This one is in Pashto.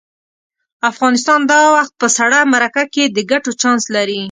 افغانستان دا وخت په سړه مرکه کې د ګټو چانس لري.